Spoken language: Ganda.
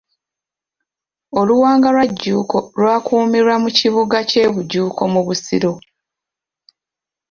Oluwanga lwa Jjuuko lwakuumirwa mu kibuga kye Bujuuko mu Busiro.